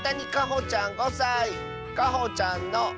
かほちゃんの。